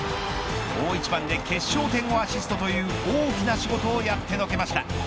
大一番で決勝点をアシストという大きな仕事をやってのけました。